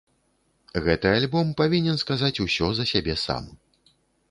Гэты альбом павінен сказаць усё за сябе сам.